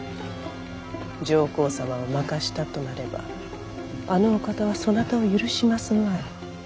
上皇様を負かしたとなればあのお方はそなたを許しますまい。